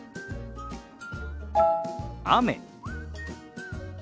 雨。